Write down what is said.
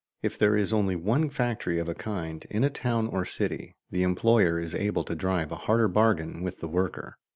If there is only one factory of a kind in a town or city, the employer is able to drive a harder bargain with the worker.